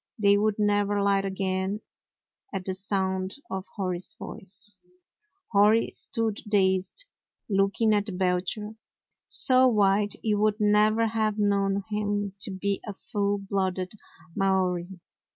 They would never light again at the sound of Hori's voice. Hori stood dazed, looking at Belcher — so white you would never have known him to be a full blooded Maori.